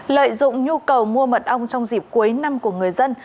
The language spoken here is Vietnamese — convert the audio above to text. lợi dụng nhu cầu mua mật ong trong dịp cuối năm của người dân